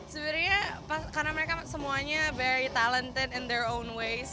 sebenarnya karena mereka semuanya very talented in their own ways